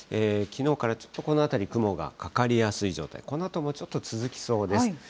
きのうからちょっとこの辺り、雲がかかりやすい状態、このあともちょっと続きそうです。